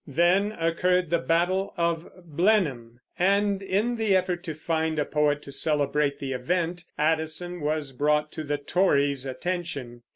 Then occurred the battle of Blenheim, and in the effort to find a poet to celebrate the event, Addison was brought to the Tories' attention.